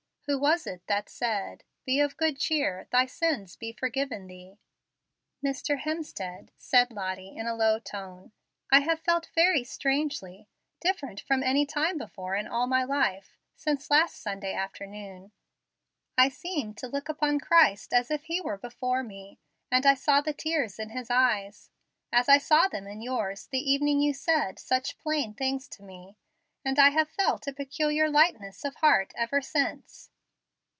Who was it that said, 'Be of good cheer, thy sins be forgiven thee'?" "Mr. Hemstead," said Lottie, in a low tone, "I have felt very strangely differently from any time before in all my life since last Sunday afternoon. I seemed to look upon Christ as if He were before me, and I saw the tears in His eyes, as I saw them in yours the evening you said such plain things to me, and I have felt a peculiar lightness of heart ever since.